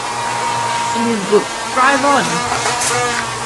In his book Drive On!